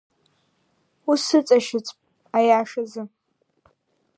Усыҵашьыцп, аиашазы!